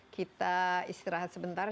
kita istirahat sebentar